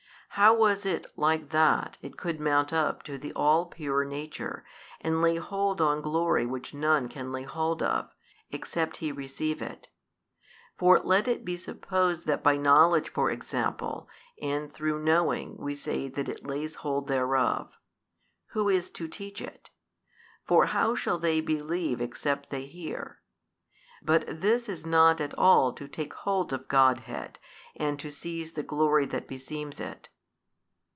how was it like that it could mount up to the All Pure Nature and lay hold on glory which none can lay hold of, except he receive it? For let it be supposed that by knowledge for example, and through knowing we say that it lays hold thereof: who is to teach it? For how shall they believe |198 except they hear? But this is not at all to take hold of Godhead, and to seize the glory that beseems It.